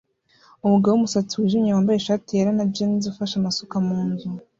Umugabo wumusatsi wijimye wambaye ishati yera na jans ufashe amasuka munzu